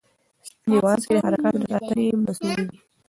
سپینې وازګې د حرکاتو د ساتنې مسؤل دي.